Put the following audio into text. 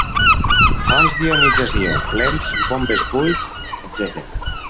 Fonts d'ionització, lents, bombes buit, etcètera.